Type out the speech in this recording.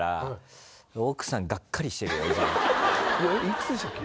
幾つでしたっけ